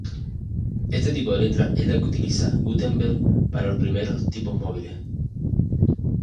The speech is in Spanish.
Este tipo de letra es el que utiliza Gutenberg para los primeros tipos móviles.